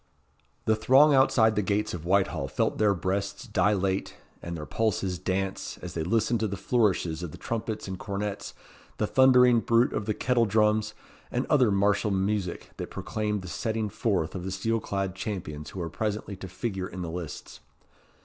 The throng outside the gates of Whitehall felt their breasts dilate, and their pulses dance, as they listened to the flourishes of the trumpets and cornets, the thundering bruit of the kettle drums, and other martial music that proclaimed the setting forth of the steel clad champions who were presently to figure in the lists.